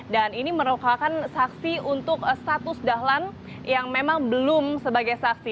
dan ini merukakan saksi untuk status dahlan yang memang belum sebagai saksi